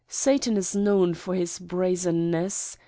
Satan is known for his brazenness.